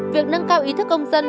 việc nâng cao ý thức công dân